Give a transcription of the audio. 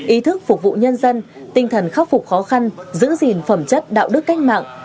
ý thức phục vụ nhân dân tinh thần khắc phục khó khăn giữ gìn phẩm chất đạo đức cách mạng